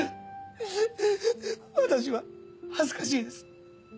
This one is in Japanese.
私は恥ずかしいです。